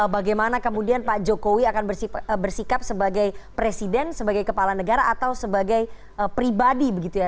bagaimana kemudian pak jokowi akan bersikap sebagai presiden sebagai kepala negara atau sebagai pribadi begitu ya